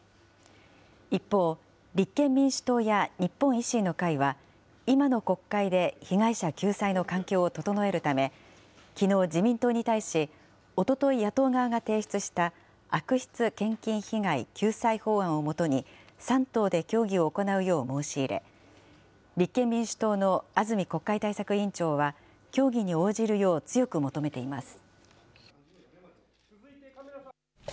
一方、立憲民主党や日本維新の会は、今の国会で被害者救済の環境を整えるため、きのう自民党に対し、おととい野党側が提出した、悪質献金被害救済法案をもとに、３党で協議を行うよう申し入れ、立憲民主党の安住国会対策委員長は、協議に応じるよう強く求めています。